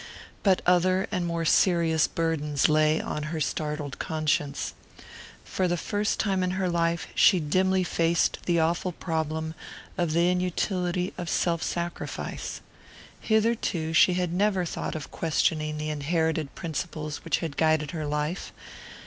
But other and more serious burdens lay on her startled conscience. For the first time in her life she dimly faced the awful problem of the inutility of self sacrifice. Hitherto she had never thought of questioning the inherited principles which had guided her life.